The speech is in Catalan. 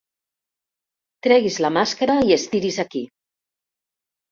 Tregui's la màscara i estiri's aquí.